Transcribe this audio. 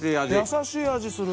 優しい味する。